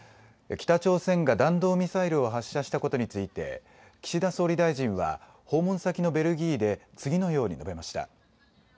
北朝鮮が弾道ミサイルを発射したことについて、岸田総理大臣は、訪問先のベルギーで次のように述べました。